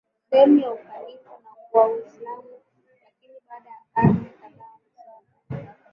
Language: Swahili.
sehemu ya ukhalifa wa Uislamu lakini baada ya karne kadhaa nasaba